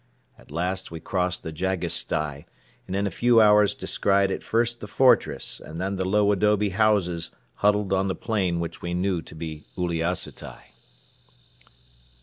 At last we crossed the Jagisstai and in a few hours descried at first the fortress and then the low adobe houses huddled on the plain, which we knew to be Uliassutai.